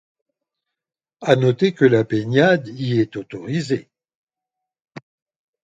A noter que la baignade y est autorisée...